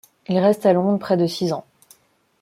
Il reste à Londres près de six ans.